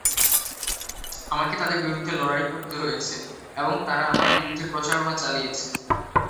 আমাকে তাদের বিরুদ্ধে লড়াই করতে হয়েছে এবং তারা আমার বিরুদ্ধে প্রচারণা চালিয়েছে।